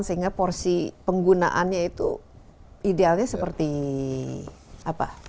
sehingga porsi penggunaannya itu idealnya seperti apa